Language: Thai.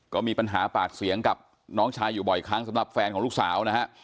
ก็มีปัญหาปากเสียงกับน้องชายอยู่บ่อยครั้งสำหรับแฟนของลูกสาวนะฮะ